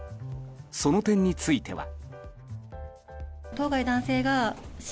その点については。